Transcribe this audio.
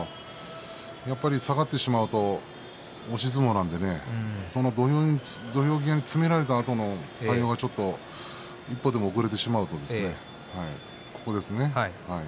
やはり下がってしまいますと押し相撲ですので土俵際詰められたところの対応が一歩でも遅れてしまうといけませんね。